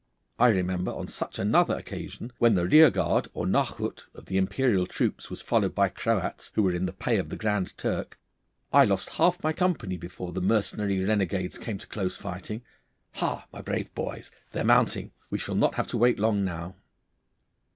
I remember on such another occasion when the rearguard or nachhut of the Imperial troops was followed by Croats, who were in the pay of the Grand Turk, I lost half my company before the mercenary renegades came to close fighting. Ha, my brave boys, they are mounting! We shall not have to wait long now.